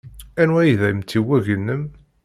Anwa ay d amtiweg-nnem?